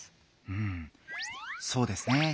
うんそうですね。